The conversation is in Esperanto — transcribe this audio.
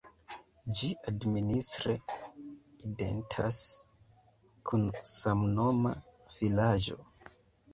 Ĝi administre identas kun samnoma vilaĝo.